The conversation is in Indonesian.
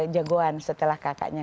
jagoan setelah kakaknya